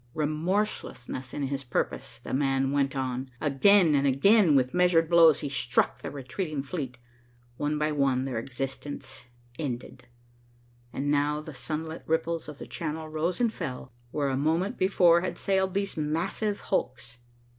Remorseless in his purpose, the man went on. Again and again, with measured blows, he struck the retreating fleet. One by one, their existence ended, and the now sunlit ripples of the Channel rose and fell, where a moment before had sailed these massive hulks.